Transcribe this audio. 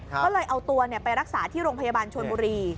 ก็เลยเอาตัวไปรักษาที่โรงพยาบาลชนบุรี